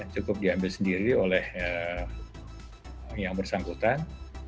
cukup diambil sendiri oleh yang bersangkutan